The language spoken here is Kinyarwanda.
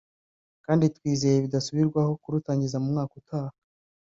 kandi twizeye bidasubirwaho kurutangiza mu mwaka utaha